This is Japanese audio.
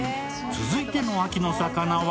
続いての秋の魚は？